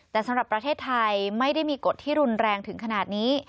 แต่สำหรับประเทศไทยไม่ได้มีกฎที่รุนแรงถึงขนาดนี้